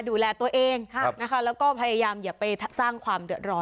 ดูแลตัวเองนะคะแล้วก็พยายามอย่าไปสร้างความเดือดร้อน